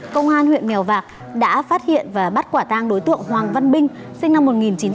công an huyện mèo vạc đã phát hiện và bắt quả tang đối tượng hoàng văn binh sinh năm một nghìn chín trăm tám mươi